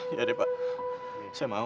ya deh pak saya mau